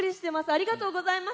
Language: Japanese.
ありがとうございます。